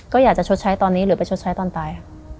ก็อยากจะชดใช้ตอนนี้หรือไปชดใช้ตอนตาย